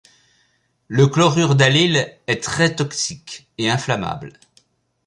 Le chlorure d'allyle est très toxique et inflammable.